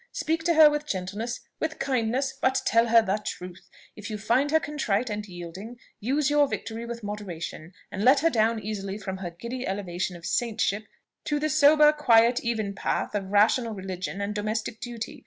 Speak to her with gentleness, with kindness, but tell her the truth. If you find her contrite and yielding, use your victory with moderation; and let her down easily from her giddy elevation of saintship to the sober, quiet, even path of rational religion, and domestic duty.